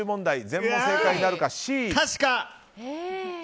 全問正解なるか。